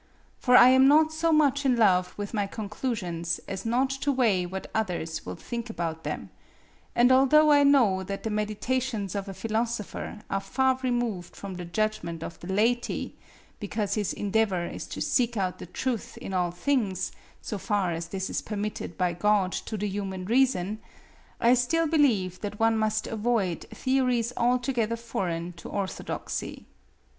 For I am not so much in love with my conclusions as not to weigh what others will think about them, and although I know that the meditations of a philosopher are far removed from the judgment of the laity, because his endeavor is to seek out the truth in all things, so far as this is permitted by God to the human reason, I still believe that one must avoid theories altogether foreign to orthodoxy.